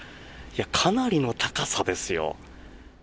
かなりの高さですよ。